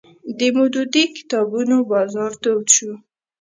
د مودودي کتابونو بازار تود شو